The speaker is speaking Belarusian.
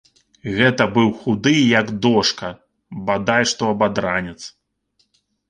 Гэта быў худы, як дошка, бадай што абадранец.